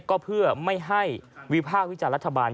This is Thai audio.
ก็เพื่อไม่ให้วิภาควิจารณรัฐบาล